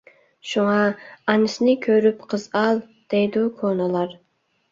شۇڭا، «ئانىسىنى كۆرۈپ قىز ئال» دەيدۇ كونىلار.